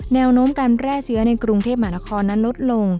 แนวโน้มการแพร่เชื้อในกรุงเทพมหานครนั้นลดลง